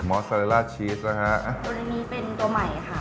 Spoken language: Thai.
อสเตรล่าชีสนะฮะตัวนี้เป็นตัวใหม่ค่ะ